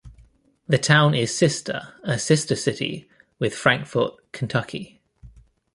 The town is sister a sister city with Frankfort, Kentucky.